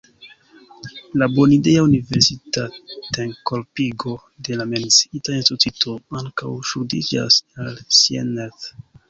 La bonidea universitatenkorpigo de la menciita instituto ankaŭ ŝuldiĝas al Sienerth.